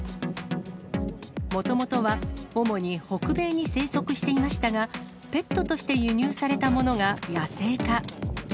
もともとは主に北米に生息していましたが、ペットとして輸入されたものが野生化。